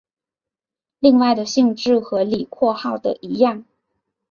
另外的性质和李括号的一致。